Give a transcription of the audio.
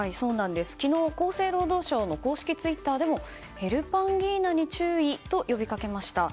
昨日、厚生労働省の公式ツイッターでもヘルパンギーナに注意と呼びかけました。